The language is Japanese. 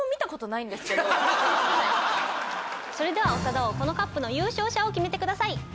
それでは長田王このＣＵＰの優勝者を決めてください。